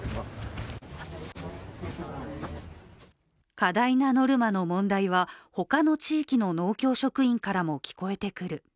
過大なノルマの問題は、他の地域の農協職員からも聞こえてくる。